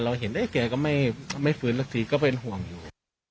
เราเห็นว่าไอ้แกก็ไม่ฟื้นลักษณีย์ก็เป็นห่วงอยู่